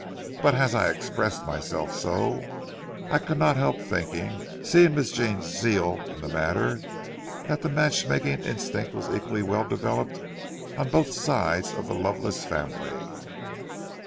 But as I expressed myself so, I could not help thinking, seeing Miss Jean's zeal in the matter, that the matchmaking instinct was equally well developed on both sides of the Lovelace family.